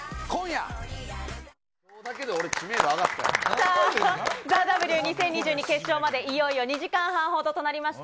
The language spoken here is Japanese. さあ、ＴＨＥＷ２０２２決勝まで、いよいよ２時間半ほどとなりました。